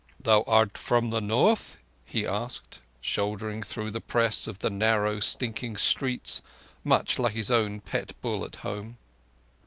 "Thou art from the North?" he asked, shouldering through the press of the narrow, stinking streets much like his own pet bull at home.